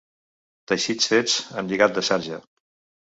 Teixits fets amb lligat de sarja.